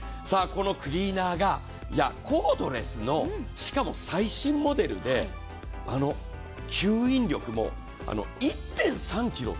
このクリーナーがコードレスのしかも最新モデルで、吸引力も、１．３ｋｇって。